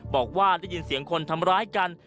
บอกว่าได้ยินเสียงคนทำร้ายกัน